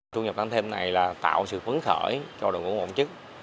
thu nhập tăng thêm này là tạo sự phấn khởi cho đội ngũ chức